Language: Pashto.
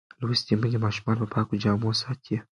لوستې میندې ماشومان په پاکو جامو ساتي.